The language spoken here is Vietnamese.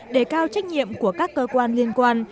để cao trách nhiệm của các cơ quan liên quan